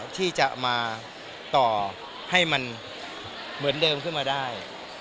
ที่จะมาต่อให้มันเหมือนเดิมขึ้นมาได้